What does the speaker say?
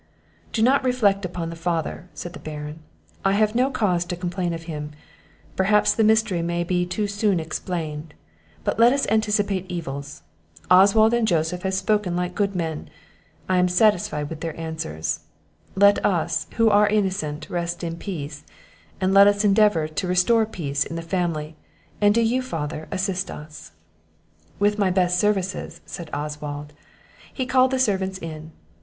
"Do not reflect upon the father," said the Baron; "I have no cause to complain of him; perhaps the mystery may be too soon explained; but let us not anticipate evils. Oswald and Joseph have spoken like good men; I am satisfied with their answers; let us, who are innocent, rest in peace; and let us endeavour to restore peace in the family; and do you, father, assist us." "With my best services," said Oswald. He called the servants in.